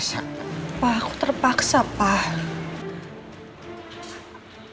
pak aku terpaksa pak